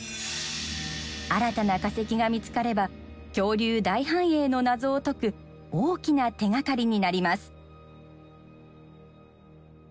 新たな化石が見つかれば恐竜大繁栄の謎を解く大きな手がかりになります。